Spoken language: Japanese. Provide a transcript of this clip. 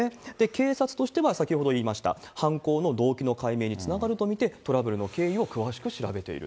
警察としては、先ほど言いました犯行の動機の解明につながると見て、トラブルの経緯を詳しく調べていると。